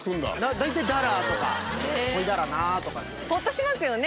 大体「だらぁ」とか「ほいだらなぁ」とか。ほっとしますよね